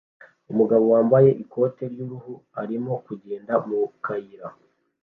Umugabo wambaye ikote ry'uruhu arimo kugenda mu kayira